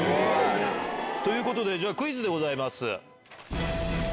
ということで、じゃあ、クイズでございます。